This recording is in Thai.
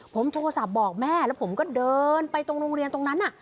ผมโทรศัพท์บอกแม่แล้วผมก็เดินไปตรงโรงเรียนตรงนั้น